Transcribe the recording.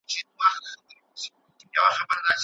ډیپلوماټان ولي د بیان ازادي خوندي کوي؟